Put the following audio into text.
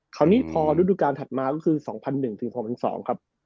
คราวนี้พอฤดูการถัดมาก็คือ๒๐๐๑๖๐๒ครับ